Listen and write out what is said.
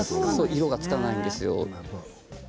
色がつかないんですよ。